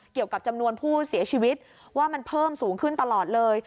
เกี่ยวกับจำนวนผู้เสียชีวิตว่ามันเพิ่มสูงขึ้นตลอดเลย